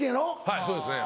はいそうですね。